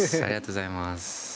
ありがとうございます。